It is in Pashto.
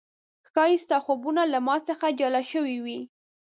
ښايي ستا خوبونه له ما څخه جلا شوي و